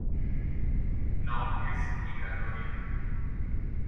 No es migratoria.